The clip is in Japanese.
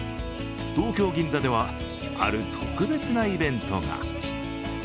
東京・銀座ではある特別なイベントが。